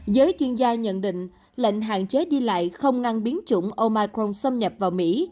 giới chuyên gia nhận định lệnh hạn chế đi lại không ngăn biến chủng omicron xâm nhập vào mỹ